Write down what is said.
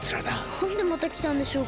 なんでまたきたんでしょうか？